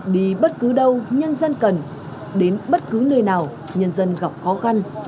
đi bất cứ đâu nhân dân cần đến bất cứ nơi nào nhân dân gặp khó khăn